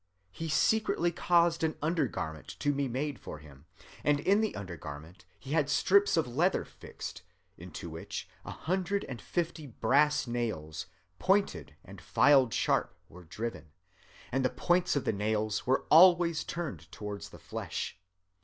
He secretly caused an undergarment to be made for him; and in the undergarment he had strips of leather fixed, into which a hundred and fifty brass nails, pointed and filed sharp, were driven, and the points of the nails were always turned towards the flesh.